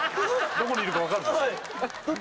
どこにいるか分かるでしょ